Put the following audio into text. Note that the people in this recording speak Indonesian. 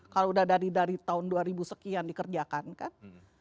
kalau udah dari tahun dua ribu sekian dikerjakan kan